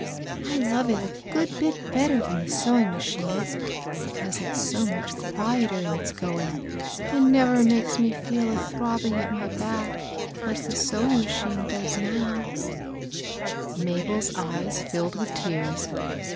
I love it a good bit better than idle sewing machine, because it's so much qtdeteir in its going, and never makes me fed a tabbing at my back like the sewing madmie does now/' Mabel's ey^ filled vi^th teare.